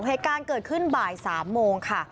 เหตุการณ์เกิดขึ้นบ่าย๓โมงค่ะ